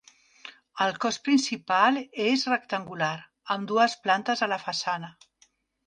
El cos principal és rectangular, amb dues plantes a la façana.